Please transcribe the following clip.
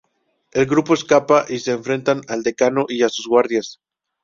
El grupo escapa, y se enfrentan al decano y a sus guardias.